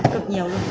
cực nhiều luôn